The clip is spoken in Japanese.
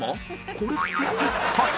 これって一体？